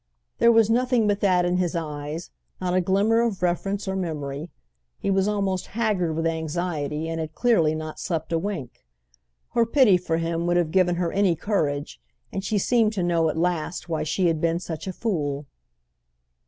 There was nothing but that in his eyes—not a glimmer of reference or memory. He was almost haggard with anxiety and had clearly not slept a wink. Her pity for him would have given her any courage, and she seemed to know at last why she had been such a fool.